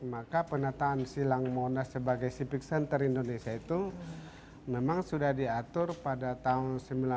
maka penataan silang monas sebagai civic center indonesia itu memang sudah diatur pada tahun seribu sembilan ratus sembilan puluh